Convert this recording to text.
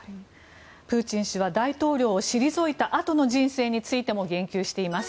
プーチン氏は大統領を退いたあとの人生についても言及しています。